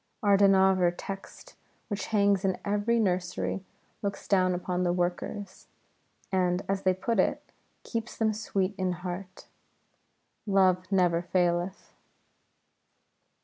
Our Dohnavur text, which hangs in every nursery, looks down upon the workers, and, as they put it, "keeps them sweet in heart": "Love never faileth."